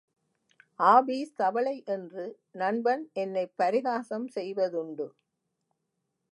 Office தவளை என்று நண்பன் என்னைப் பரிகாசம் செய்வதுண்டு.